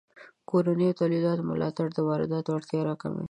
د کورنیو تولیداتو ملاتړ د وارداتو اړتیا راکموي.